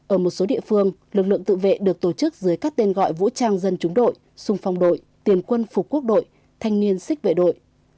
ở một số địa phương lực lượng tự vệ được tổ chức dưới các tên gọi vũ trang dân chúng đội xung phong đội tiền quân phục quốc đội thanh niên xích vệ đội